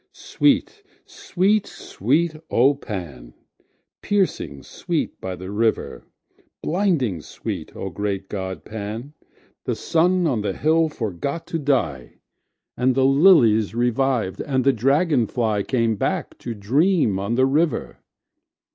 Sweet, sweet, sweet, O Pan! Piercing sweet by the river! Blinding sweet, O great god Pan! The sun on the hill forgot to die, And the lilies reviv'd, and the dragon flyCame back to dream on the river.